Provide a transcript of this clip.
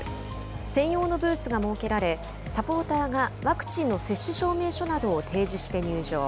専用のブースから設けられサポーターがワクチンの接種証明書などを提示して入場。